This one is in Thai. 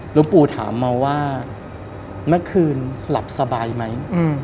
หลวงปู่ถามมาว่าเมื่อคืนหลับสบายไหม